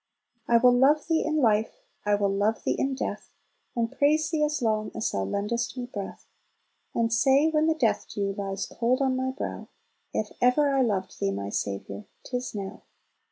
"I will love Thee in life, I will love Thee in death, And praise Thee as long as Thou lendest me breath: And say, when the death dew lies cold on my brow, If ever I loved Thee, my Saviour, 'tis now!"